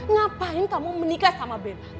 ngapain kamu menikah sama ben